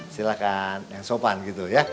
silahkan yang sopan gitu ya